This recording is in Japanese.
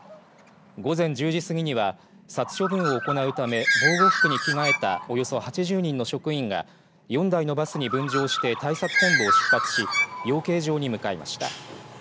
午前１０時過ぎには殺処分を行うため防護服に着替えたおよそ８０人の職員が４台のバスに分乗して対策本部を出発し養鶏場に向かいました。